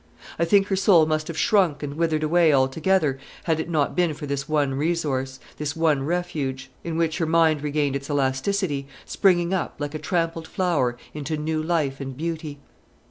I think her soul must have shrunk and withered away altogether had it not been for this one resource, this one refuge, in which her mind regained its elasticity, springing up, like a trampled flower, into new life and beauty.